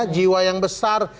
jiwa yang besar